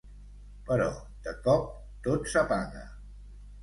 Però, de cop, tot s'apaga.